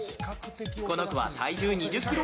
この子は体重２０ｋｇ